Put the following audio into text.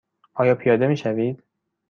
آیا پیاده می شوید؟